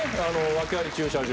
ワケあり駐車場。